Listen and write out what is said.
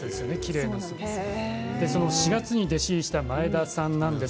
４月に弟子入りした前田さん